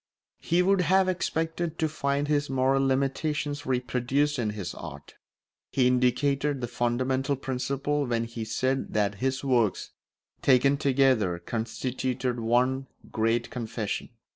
He would have expected to find his moral limitations reproduced in his art. He indicated the fundamental principle when he said that his works, taken together, constituted one great confession.